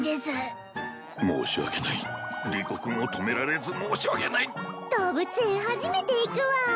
申し訳ないリコ君を止められず申し訳ない動物園初めて行くわあ